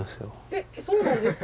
えっそうなんですか？